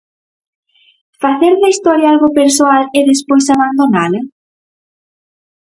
Facer da historia algo persoal e despois abandonala?